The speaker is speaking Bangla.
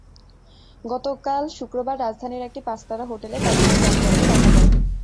গতকাল শুক্রবার রাজধানীর একটি পাঁচতারা হোটেলে তাঁদেরকে গান গাইতে দেখা যায়।